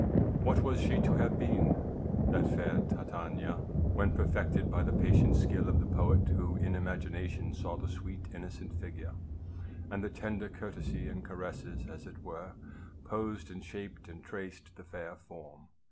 \Vhat was she to have been that fair Titania when perfected by the patient skill of the poet, who in imagination saw the sweet innocent figure, and Avith tender courtesy and caresses, as it were, posed and shaped and traced the fair form?